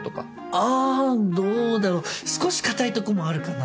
あぁどうだろ少し堅いとこもあるかな。